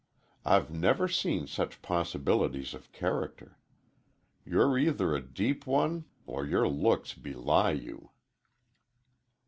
I've never seen such possibilities of character. You're either a deep one or your looks belie you."